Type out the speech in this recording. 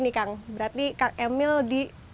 nih kang berarti kang emil di